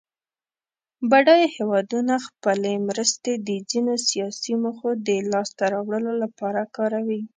بډایه هېوادونه خپلې مرستې د ځینو سیاسي موخو د لاس ته راوړلو لپاره کاروي.